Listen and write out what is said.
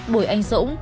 bùi anh dũng